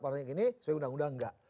sebenarnya undang undang enggak